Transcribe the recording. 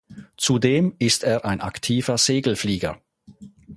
Zudem ist er ein aktiver Segelflieger.